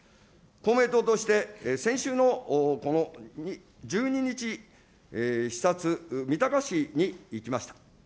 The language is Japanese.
公明党として先週の１２日、視察、三鷹市に行きました。